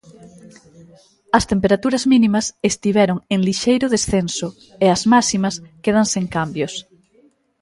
As temperaturas mínimas estiveron en lixeiro descenso e as máximas quedan sen cambios.